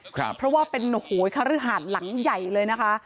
เพราะว่าเป็นโอ้โหคฤหาสหลังใหญ่เลยนะคะ